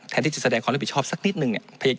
แทนที่จะแสดงความรับผิดชอบสักนิดนึง